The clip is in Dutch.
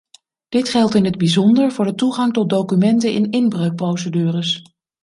Dit geldt in het bijzonder voor de toegang tot documenten in inbreukprocedures.